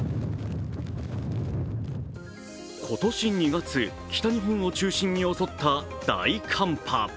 今年２月、北日本を中心に襲った大寒波。